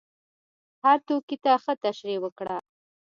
هر توکي ته ښه تشریح وکړه.